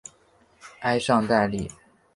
埃尚代利。